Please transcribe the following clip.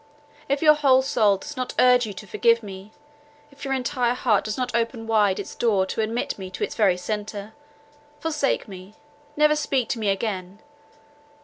If your whole soul does not urge you to forgive me—if your entire heart does not open wide its door to admit me to its very centre, forsake me, never speak to me again.